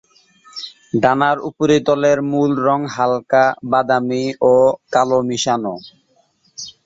ডানার উপরিতল এর মূল রঙ হালকা বাদামী ও কালো মেশানো।